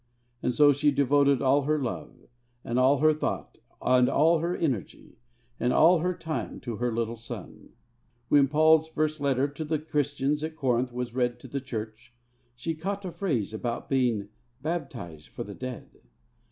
And so she devoted all her love, and all her thought, and all her energy, and all her time to her little son. When Paul's first letter to the Christians at Corinth was read to the church, she caught a phrase about being 'baptized for the dead.'